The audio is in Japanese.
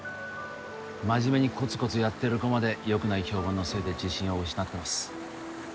真面目にコツコツやってる子までよくない評判のせいで自信を失ってます